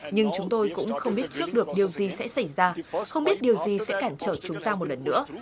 nhưng chúng tôi cũng không biết trước được điều gì sẽ xảy ra không biết điều gì sẽ cản trở chúng ta một lần nữa